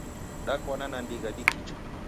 Dakwana na ndigha dikicha